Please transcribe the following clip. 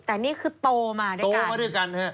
แต่นี่คือโตมาด้วยกันโตมาด้วยกันฮะ